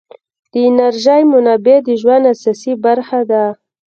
د انرژۍ منابع د ژوند اساسي برخه ده.